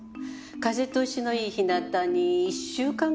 風通しのいい日なたに１週間ぐらいかしら？